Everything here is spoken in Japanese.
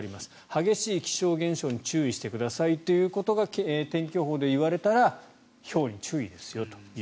激しい気象現象に注意してくださいということが天気予報で言われたらひょうに注意ですよと。